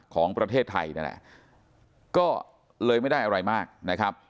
ของประเทศไทยนั่นแหละก็เลยไม่ได้อะไรมากนะครับ